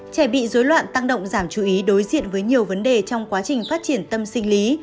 trẻ bị dối loạn tăng động giảm chú ý đối diện với nhiều vấn đề trong quá trình phát triển tâm sinh lý